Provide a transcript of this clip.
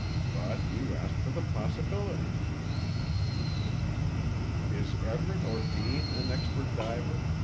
But you asked for the possibilities." "Is Everett or Dean an expert diver?"